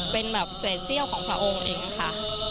เป็นแบบเศษเซี่ยวของพระองค์เองค่ะ